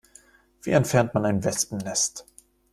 Wie entfernt man ein Wespennest?